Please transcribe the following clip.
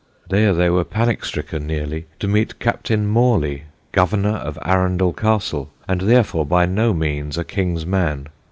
There they were panic stricken nearly to meet Captain Morley, governor of Arundel Castle, and therefore by no means a King's man.